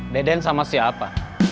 deden sama siapa